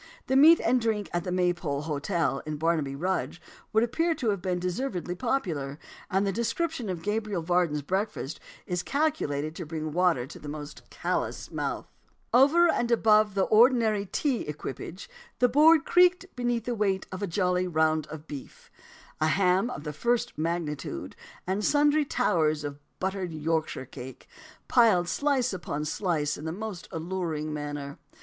The meat and drink at the Maypole Hotel, in Barnaby Rudge, would appear to have been deservedly popular; and the description of Gabriel Varden's breakfast is calculated to bring water to the most callous mouth: "Over and above the ordinary tea equipage the board creaked beneath the weight of a jolly round of beef, a ham of the first magnitude, and sundry towers of buttered Yorkshire cake, piled slice upon slice in most alluring order.